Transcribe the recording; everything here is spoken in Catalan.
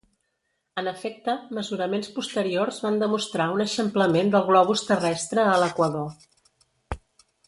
En efecte, mesuraments posteriors van demostrar un eixamplament del globus terrestre a l'Equador.